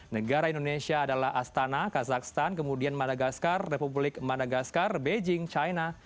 negara indonesia adalah astana kazakhstan kemudian madagaskar republik madagaskar beijing china